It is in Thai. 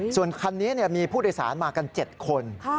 ส่วนคันนี้มีผู้โดยสารมากัน๗คน